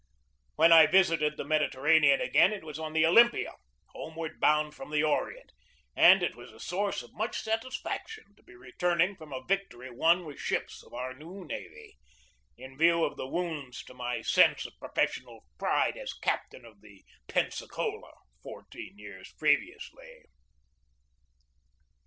When I visited the Mediterranean again it was on the Olympia, home ward bound from the Orient, and it was a source of much satisfaction to be returning from a victory won with ships of our new navy, in view of the wounds to my sense of professional pride as captain of the Pensacola fourteen years previously.